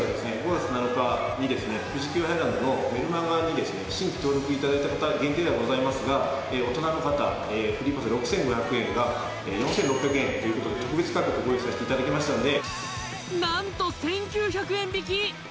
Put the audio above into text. ５月７日にですね富士急ハイランドのメルマガにですね新規登録していただいた方限定ではございますが大人の方フリーパス６５００円が４６００円ということで特別価格ご用意さしていただきましたんで何と１９００円引き！